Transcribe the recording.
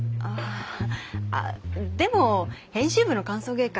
ああでも編集部の歓送迎会